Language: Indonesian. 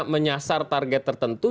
menyasar target tertentu